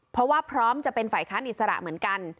เพราะว่าพร้อมจะเป็นฝ่ายค้านอิสระเหมือนกัน